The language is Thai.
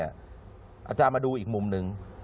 อาจารย์มาดูอีกมุมหนึ่ง